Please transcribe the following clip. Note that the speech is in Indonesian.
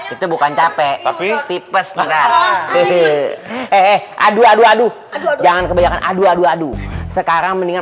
itu bukan capek tapi pipus hehehe aduh aduh aduh jangan kebanyakan aduh aduh aduh sekarang mendingan